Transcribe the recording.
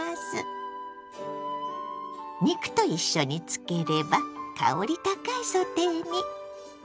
肉と一緒に漬ければ香り高いソテーに。